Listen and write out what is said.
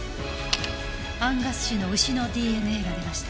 アンガス種の牛のＤＮＡが出ました。